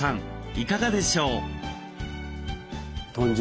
いかがでしょう？